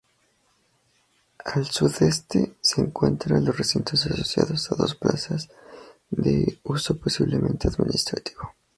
Al sudeste se encuentra los recintos asociados a dos plazas de uso posiblemente administrativo.